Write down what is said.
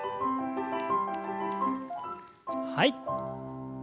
はい。